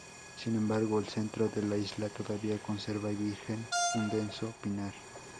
Sin embargo el centro de la isla todavía conserva virgen un denso pinar.